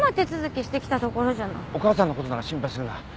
お母さんのことなら心配するな。